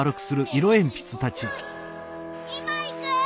いまいく。